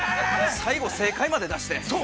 ◆最後、正解まで出して。